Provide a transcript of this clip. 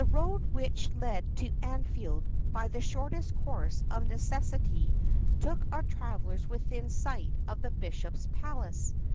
The road which led to Anfield by the shortest course of necessity took our travellers within sight of the bishop's palace.